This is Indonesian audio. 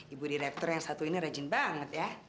ibu direktur yang satu ini rajin banget ya